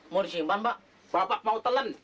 mau disimpan mbak bapak mau telan